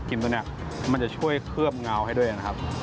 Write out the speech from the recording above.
ตัวนี้มันจะช่วยเคลือบเงาให้ด้วยนะครับ